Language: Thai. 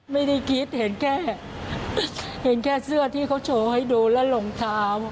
ไม่ได้คิดเห็นแค่เห็นแค่เสื้อที่เขาโชว์ให้ดูแล้วรองเท้า